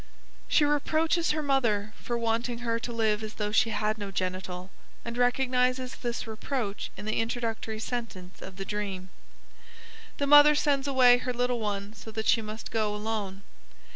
She reproaches her mother for wanting her to live as though she had no genital, and recognizes this reproach in the introductory sentence of the dream; the mother sends away her little one so that she must go alone.